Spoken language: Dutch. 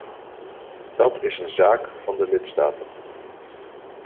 Dat is een zaak van de lidstaten.